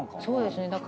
そうですね。